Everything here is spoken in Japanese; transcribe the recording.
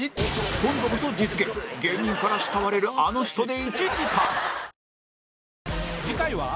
今度こそ実現芸人から慕われるあの人で１時間